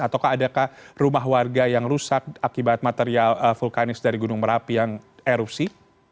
ataukah adakah rumah warga yang rusak akibat material vulkanis dari gunung merapi yang erupsi